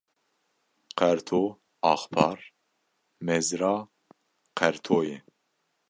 Qerto, Axpar Mezra Qerto ye